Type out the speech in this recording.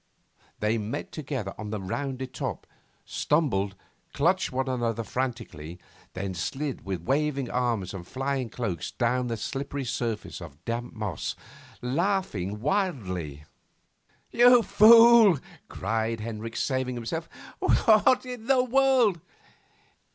They met together on the rounded top, stumbled, clutched one another frantically, then slid with waving arms and flying cloaks down the slippery surface of damp moss laughing wildly. 'Fool!' cried Hendricks, saving himself. 'What in the world